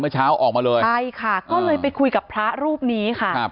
เช้าออกมาเลยใช่ค่ะก็เลยไปคุยกับพระรูปนี้ค่ะครับ